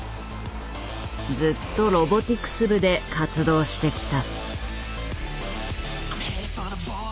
ずっとロボティクス部で活動してきた。